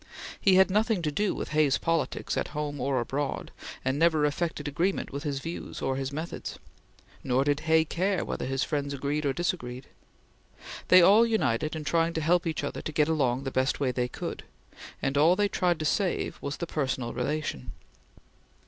He had nothing to do with Hay's politics at home or abroad, and never affected agreement with his views or his methods, nor did Hay care whether his friends agreed or disagreed. They all united in trying to help each other to get along the best way they could, and all they tried to save was the personal relation.